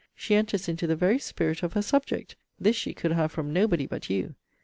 she enters into the very spirit of her subject this she could have from nobody but you!